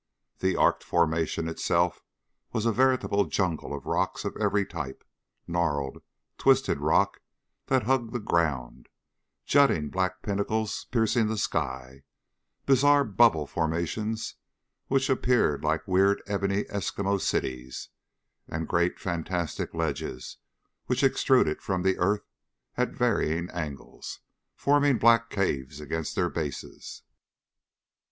The arced formation itself was a veritable jungle of rocks of every type gnarled, twisted rock that hugged the ground, jutting black pinnacles piercing the sky, bizarre bubble formations which appeared like weird ebony eskimo cities, and great fantastic ledges which extruded from the earth at varying angles, forming black caves against their bases.